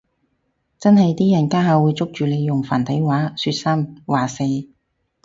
真係啲人家下會捉住你用繁體話說三話四